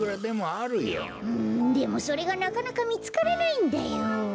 うんでもそれがなかなかみつからないんだよ。